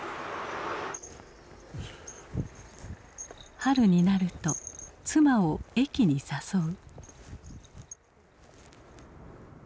春になると妻を駅に誘う。